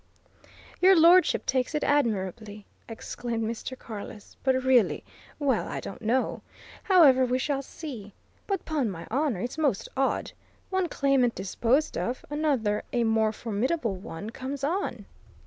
"Your Lordship takes it admirably!" exclaimed Mr. Carless. "But really well, I don't know. However, we shall see. But, 'pon my honour, it's most odd! One claimant disposed of, another, a more formidable one, comes on!"